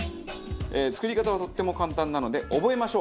作り方はとっても簡単なので覚えましょう。